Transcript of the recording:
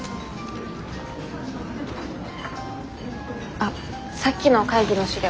あっさっきの会議の資料